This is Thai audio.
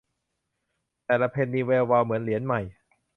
แต่ละเพนนีแวววาวเหมือนเหรียญใหม่